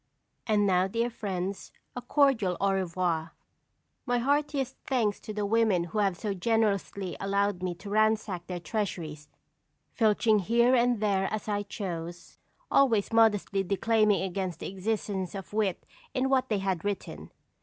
And now, dear friends, a cordial au revoir. My heartiest thanks to the women who have so generously allowed me to ransack their treasuries, filching here and there as I chose, always modestly declaiming against the existence of wit in what they had written.